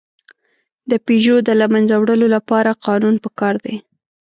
د پيژو د له منځه وړلو لپاره قانون پکار دی.